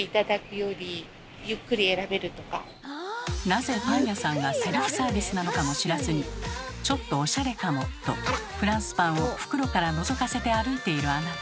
なぜパン屋さんがセルフサービスなのかも知らずに「ちょっとオシャレかも」とフランスパンを袋からのぞかせて歩いているあなた。